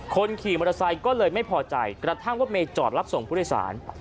คนขี่มอเตอร์ไซค์ก็เลยไม่พอใจกระทั่งรถเมย์จอดรับส่งผู้โดยสาร